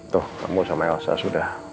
tuh kamu sama elsa sudah